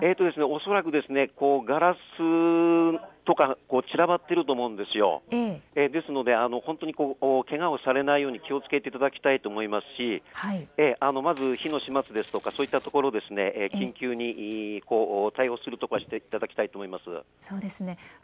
恐らくガラスとか散らばっていると思うので本当にけがをされないように気をつけていただきたいと思いますし、まず火の始末とかそういったところ、緊急に対応するところはしていただきたいと思います。